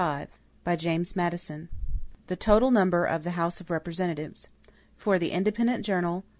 PUBLIUS FEDERALIST No. 55 The Total Number of the House of Representatives For the Independent Journal.